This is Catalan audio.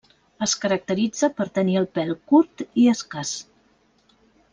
Es caracteritza per tenir el pèl curt i escàs.